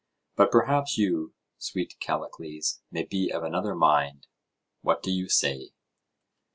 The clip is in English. But perhaps you, sweet Callicles, may be of another mind. What do you say?